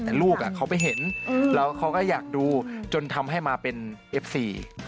แต่ลูกเขาไปเห็นแล้วเขาก็อยากดูจนทำให้มาเป็นเอฟซี